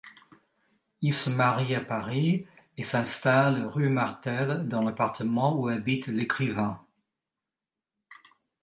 Ils se marient à Paris, et s'installent rue Martel dans l'appartement où habite l'écrivain.